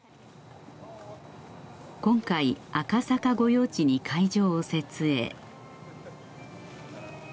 今回赤坂御用地に会場を設営